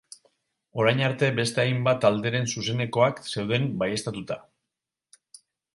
Orain arte beste hainbat talderen zuzenekoak zeuden baieztatuta.